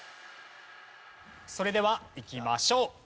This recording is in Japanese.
それではいきましょう。